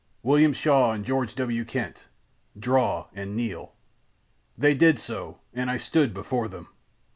William Shaw and George W. Kent, draw and kneel.' "They did so and I stood before them.